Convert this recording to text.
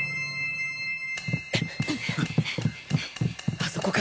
あそこか！